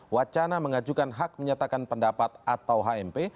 wacana mengajukan hak menyatakan pendapat atau hmp